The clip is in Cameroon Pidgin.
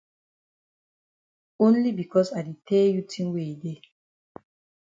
Only becos I di tell you tin wey e dey.